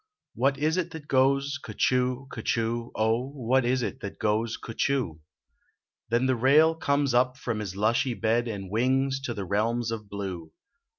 What is it that goes cuhchoo, cuhchoo ? Oh, what is it that goes cuhchoo ? Then the rail comes up from his lushy bed And wings to the realms of blue.